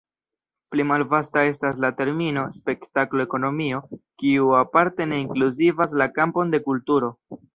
Pli malvasta estas la termino spektaklo-ekonomio, kiu aparte ne inkluzivas la kampon de kulturo.